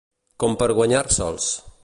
Com per guanyar-se'ls.